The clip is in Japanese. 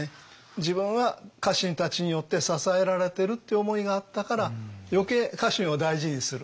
自分は家臣たちによって支えられてるって思いがあったから余計家臣を大事にする。